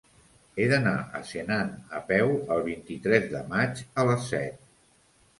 He d'anar a Senan a peu el vint-i-tres de maig a les set.